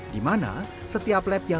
dimana setiap lab yang